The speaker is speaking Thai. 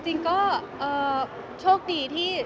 จริงก็โชคดี